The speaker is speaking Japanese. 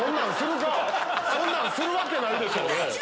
そんなんするわけないでしょ！